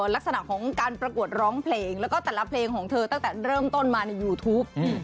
ลักษณะของการประกวดร้องเพลงแล้วก็แต่ละเพลงของเธอตั้งแต่เริ่มต้นมาในยูทูป